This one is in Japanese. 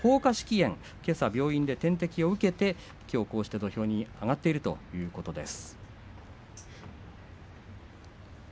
炎けさ病院で点滴を受けてきょうこうして土俵に上がっているということです。